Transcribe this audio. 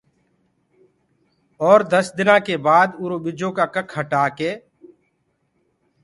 اور دس دنآ ڪي بآد اُرو ٻجو ڪآ ڪک هٽآ ڪي